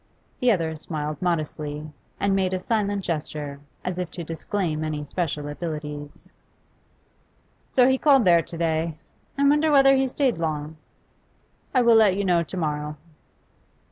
The other smiled modestly, and made a silent gesture, as if to disclaim any special abilities. 'So he called there to day? I wonder whether he stayed long?' 'I will let you know to morrow.